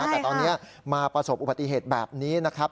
ได้ครับแต่ตอนนี้มาประสบอุปติเหตุแบบนี้นะครับ